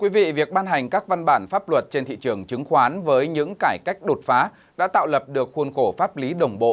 việc ban hành các văn bản pháp luật trên thị trường chứng khoán với những cải cách đột phá đã tạo lập được khuôn khổ pháp lý đồng bộ